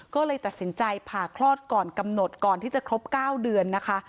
ก็เลยตัดสินใจผ่าคลอดก่อนกำหนดก่อนที่จะครบ๙เดือนนะคะ